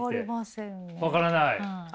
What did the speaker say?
分からない？